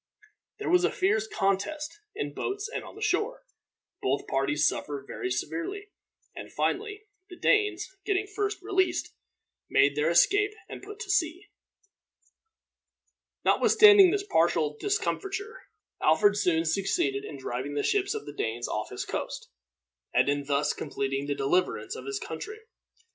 There was a fierce contest in boats and on the shore. Both parties suffered very severely; and, finally, the Danes, getting first released, made their escape and put to sea. Notwithstanding this partial discomfiture, Alfred soon succeeded in driving the ships of the Danes off his coast, and in thus completing the deliverance of his country.